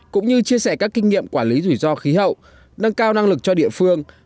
cũng như chia sẻ các kinh nghiệm quản lý rủi ro khí hậu nâng cao năng lực cho địa phương